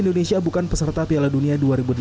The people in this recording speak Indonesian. indonesia bukan peserta piala dunia dua ribu delapan belas